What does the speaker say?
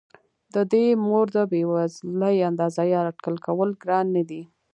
د دې مور د بې وزلۍ اندازه یا اټکل لګول ګران نه دي.